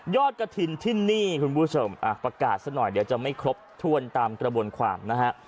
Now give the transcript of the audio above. กระถิ่นที่นี่คุณผู้ชมประกาศซะหน่อยเดี๋ยวจะไม่ครบถ้วนตามกระบวนความนะฮะ